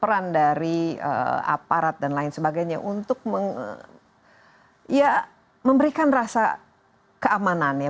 peran dari aparat dan lain sebagainya untuk memberikan rasa keamanan ya